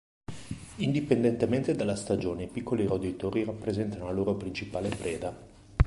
Indipendentemente dalla stagione, i piccoli roditori rappresentano la loro principale preda.